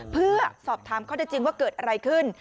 เพื่อสอบถามข้อได้จริงว่าเกิดอะไรขึ้น